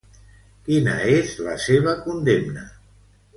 Quina és la seva condemna?